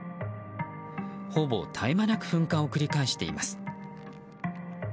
ほぼ絶え間なく噴火を繰り返しています。